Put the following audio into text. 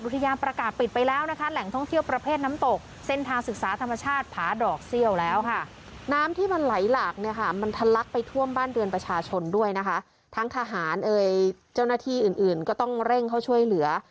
ทั้งทหารเจ้าหน้าที่อื่นก็ต้องเร่งเข้าช่วยเหลือ